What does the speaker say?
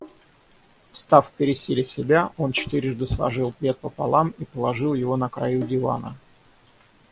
Встав пересиля себя, он четырежды сложил плед пополам и положил его на краю дивана.